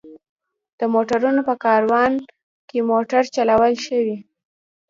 د موټرونو په کاروان کې موټر چلول ښه وي.